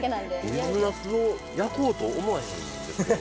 水ナスを焼こうと思わへんですよ。